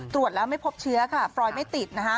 ตรวจแล้วไม่พบเชื้อค่ะฟรอยไม่ติดนะคะ